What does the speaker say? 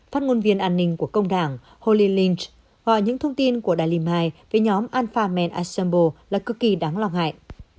phát ngôn viên an ninh của công đảng holly lynch gọi những thông tin của dalimai về nhóm alpha man assemble là cực kỳ đáng lo ngại